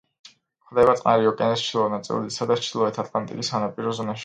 გვხვდება წყნარი ოკეანის ჩრდილო ნაწილისა და ჩრდილოეთი ატლანტიკის სანაპირო ზონაში.